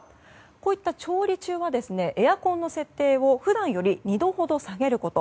こういった調理中はエアコンの設定を普段より２度ほど下げること。